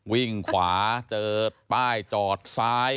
วิ่งขวาเจอป้ายจอดซ้าย